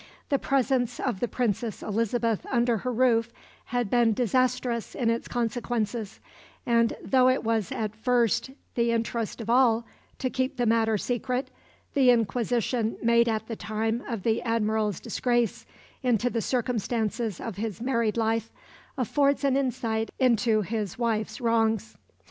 The presence of the Princess Elizabeth under her roof had been disastrous in its consequences; and, though it was at first the interest of all to keep the matter secret, the inquisition made at the time of the Admiral's disgrace into the circumstances of his married life affords an insight into his wife's wrongs.